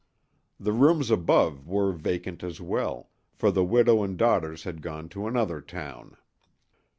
The rooms above were vacant as well, for the widow and daughters had gone to another town.